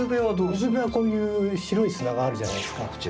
水辺はこういう白い砂があるじゃないですか。